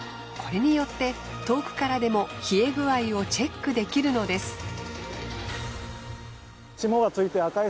これによって遠くからでも冷え具合をチェックできるのです。